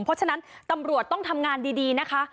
เพราะฉะนั้นตำรวจต้องทำงานดีนะคะ